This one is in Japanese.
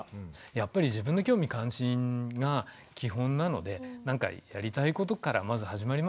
やっぱり自分の興味関心が基本なのでなんかやりたいことからまず始まりますよね。